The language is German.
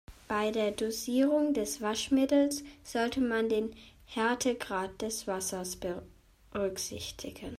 Bei der Dosierung des Waschmittels sollte man den Härtegrad des Wassers berücksichtigen.